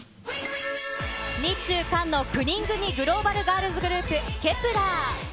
日中韓の９人組グローバルガールズグループ、Ｋｅｐ１ｅｒ。